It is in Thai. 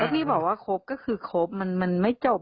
ที่บอกว่าครบก็คือครบมันไม่จบ